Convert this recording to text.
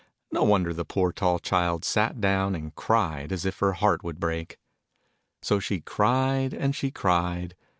No wonder the poor tall child sat down and cried as if her heart would break. So she cried, and she cried.